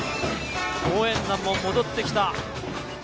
応援団も戻ってきた。